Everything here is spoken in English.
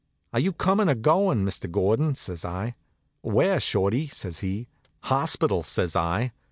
"Are you comin' or goin', Mr. Gordon?" says I. "Where, Shorty?" says he. "Hospital," says I.